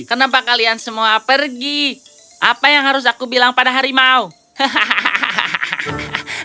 kenapa kalian semua pergi apa yang harus aku bilang pada harimau hahaha